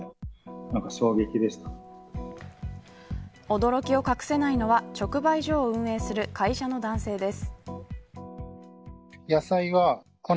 驚きを隠せないのは、直売所を運営する会社の男性です。